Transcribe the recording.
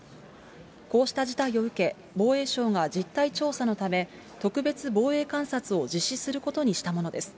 こうした事態を受け、防衛省が実態調査のため、特別防衛監察を実施することにしたものです。